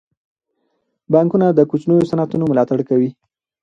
بانکونه د کوچنیو صنعتونو ملاتړ کوي.